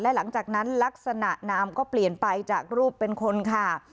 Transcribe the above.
หลังจากนั้นลักษณะนามก็เปลี่ยนไปจากรูปเป็นคนค่ะ